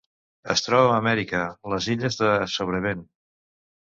Es troba a Amèrica: les illes de Sobrevent.